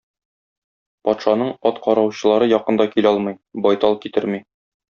Патшаның ат караучылары якын да килә алмый, байтал китерми.